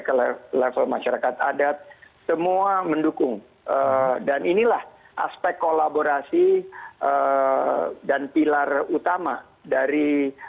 ke level masyarakat adat semua mendukung dan inilah aspek kolaborasi dan pilar utama dari